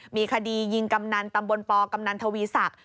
มีคดียิงกำนันตำบลปกำนันทวีศักดิ์